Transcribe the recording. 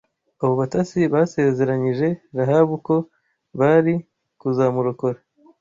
Abo batasi basezeranyije Rahabu ko bari kuzamurokora